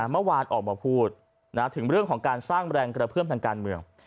เมื่อวานออกมาพูดถึงเรื่องของการสร้างแรงกระเพื่อมทางการเมือง